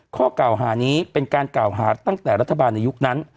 ข้อกล่าวหานี้เป็นการกล่าวหาตั้งแต่รัฐบาลในยุคนั้น